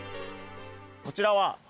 こちらは？